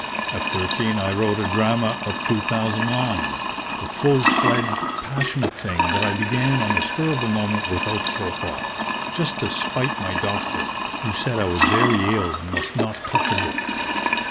At thirteen I wrote a drama of 2000 lines, a full fledged passionate thing that I began on the spur of the moment without forethought, just to spite my doctor who said I was very ill and must not touch a book.